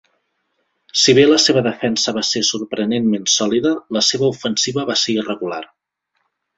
Si bé la seva defensa va ser sorprenentment sòlida, la seva ofensiva va ser irregular.